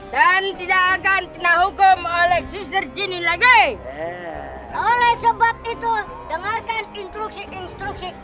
dan tidak akan kena hukum oleh sister jinny lagi oleh sebab itu dengarkan instruksi instruksi